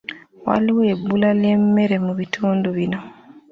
Waliwo ebbula ly'emmere mu bitundu bino.